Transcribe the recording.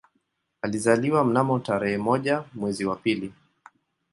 Alizaliwa mnamo tarehe moja mwezi wa pili